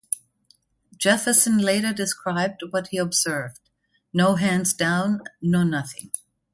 Jefferson later described what he observed: No hands down, no nothing.